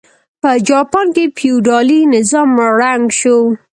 په جاپان کې فیوډالي نظام ړنګ شو.